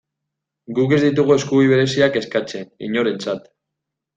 Guk ez ditugu eskubide bereziak eskatzen, inorentzat.